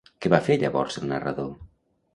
Què va fer llavors el narrador?